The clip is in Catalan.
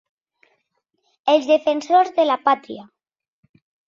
Els defensors de la pàtria.